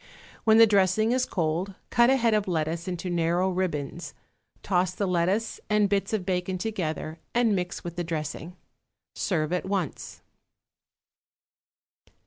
When the dressing is cold cut a head of lettuce into narrow ribbons, toss the lettuce and bits of bacon together, and mix with the dressing. Serve at once.